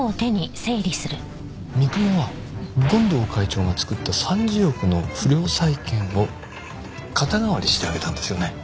三雲は権藤会長が作った３０億の不良債権を肩代わりしてあげたんですよね。